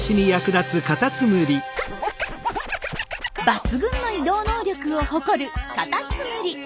抜群の移動能力を誇るカタツムリ。